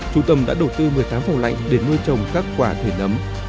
trung tâm đã đầu tư một mươi tám phòng lạnh để nuôi trồng các quả thể nấm